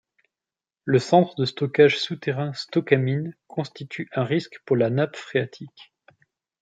Le centre de stockage souterrain Stocamine constitue un risque pour la nappe phréatique.